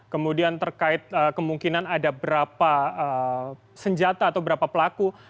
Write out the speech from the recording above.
kemudian terkait kemungkinan ada berapa senjata atau berapa pelaku